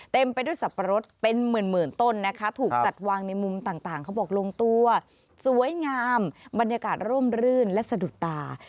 เต็มไปด้วยสับปะรดเป็นหมื่นต้นนะคะถูกจัดวางในมุมต่างเขาบอกลงตัวสวยงามบรรยากาศร่มรื่นและสะดุดตา